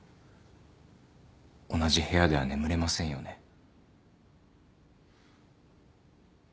同じ部屋では眠れませんよね。